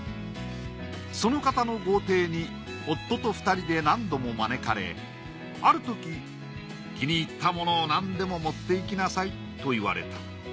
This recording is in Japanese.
その方の豪邸に夫と２人で何度も招かれある時気に入ったものをなんでも持っていきなさいと言われた。